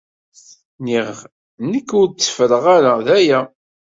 Niɣ nekk ur tteffreɣ ara, d aya.